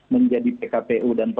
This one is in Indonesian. menjadi pkpu dan